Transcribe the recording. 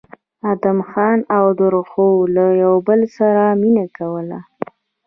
ادم خان او درخو له د بل سره مينه کوله